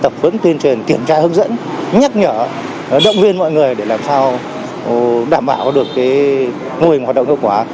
tập huấn tuyên truyền kiểm tra hướng dẫn nhắc nhở động viên mọi người để làm sao đảm bảo được mô hình hoạt động hiệu quả